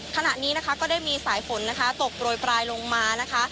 ขณะนี้นะคะก็ได้มีสายฝนนะคะตกโรยปลายลงมานะคะ